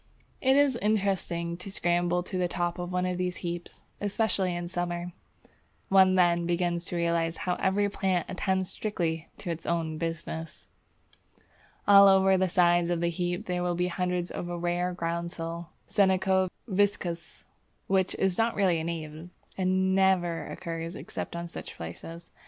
It is interesting to scramble to the top of one of these heaps, especially in summer. One then begins to realize how every plant attends strictly to its own business. All over the sides of the heap there will be hundreds of a rare groundsel (Senecio viscosus), which is not really a native, and never occurs except on such places.